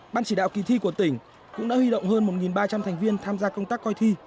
ban chỉ đạo kỳ thi của tỉnh cũng đã huy động hơn một ba trăm linh thành viên tham gia công tác coi thi